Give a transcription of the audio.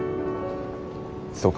そうか。